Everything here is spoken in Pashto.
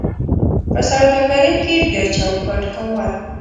په سوداګرۍ کې بیا چوکاټ کول: